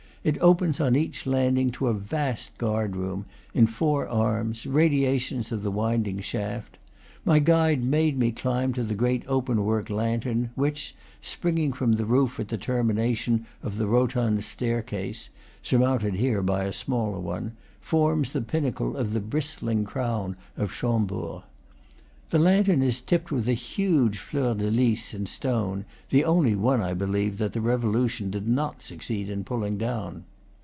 It opens on each landing to a vast guard room, in four arms, radiations of the winding shaft. My guide made me climb to the great open work lantern which, springing from the roof at the termination of the rotund staircase (surmounted here by a smaller one), forms the pinnacle of the bristling crown of Cham bord. This lantern is tipped with a huge fleur de lis in stone, the only one, I believe, that the Revolution did not succeed in pulling down.